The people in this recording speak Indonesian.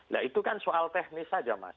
nah itu kan soal teknis saja mas